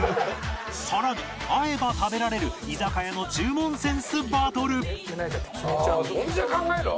さらに合えば食べられる居酒屋の注文センスバトル